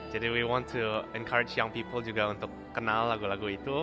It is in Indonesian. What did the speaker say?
jadi we want to encourage young people juga untuk kenal lagu lagu itu